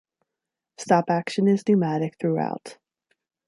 Stopaction is pneumatic throughout.